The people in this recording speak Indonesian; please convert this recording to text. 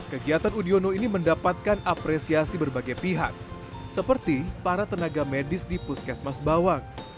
kegiatan udiono ini mendapatkan apresiasi berbagai pihak seperti para tenaga medis di puskesmas bawang